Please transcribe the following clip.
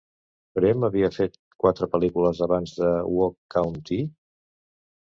Prem havia fet quatre pel·lícules abans de Woh Kaun Thi?